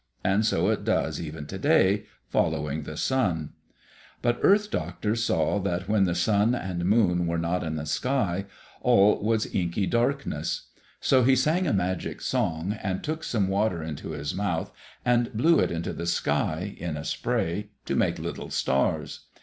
And so it does even to day, following the sun. But Earth Doctor saw that when the sun and moon were not in the sky, all was inky darkness. So he sang a magic song, and took some water into his mouth and blew it into the sky, in a spray, to make little stars.